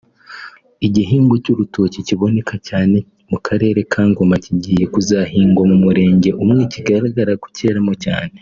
Igihingwa cy’urutoki kiboneka cyane mu karere kaNgoma kigiye kuzahingwa mu murenge umwe kigaragara ko cyeramo cyane